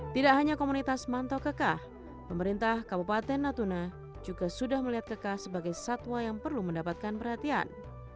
tidak hanya komunitas mantau kekah pemerintah kabupaten natuna juga sudah melihat keka sebagai satwa yang perlu mendapatkan perhatian